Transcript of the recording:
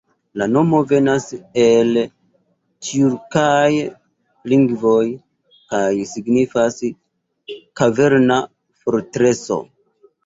La nomo venas el tjurkaj lingvoj kaj signifas "kaverna fortreso".